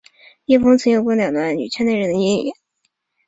叶枫曾有过两段与圈内人的婚姻。